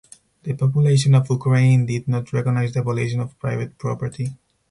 The population of Ukraine did not recognize the abolition of private property.